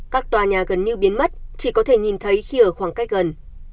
các tòa nhà gần như biến mất chỉ có thể nhìn thấy khi ở khoảng cách gần